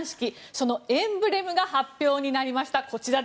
そのエンブレムが発表になりました。